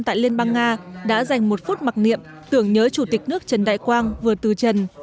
tại liên bang nga đã dành một phút mặc niệm tưởng nhớ chủ tịch nước trần đại quang vừa từ trần